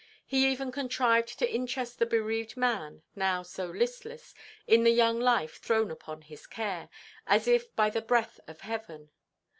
He even contrived to interest the bereaved man, now so listless, in the young life thrown upon his care, as if by the breath of heaven.